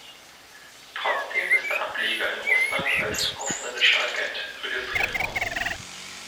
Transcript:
Trotzdem ist der Ableger in Russland als "ausländischer Agent" registriert worden.